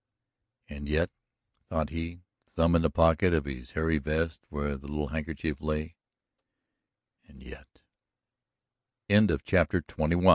"And yet," thought he, thumb in the pocket of his hairy vest where the little handkerchief lay, "and yet " CHAPTER XXII THE WILL O' THE WISP